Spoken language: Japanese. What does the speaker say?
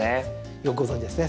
よくご存じですね。